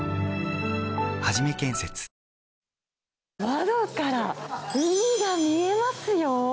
窓から海が見えますよ！